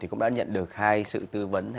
cũng đã nhận được hai sự tư vấn